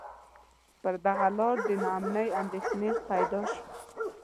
پر دغه لار د نا امنۍ اندېښنې پیدا شوې.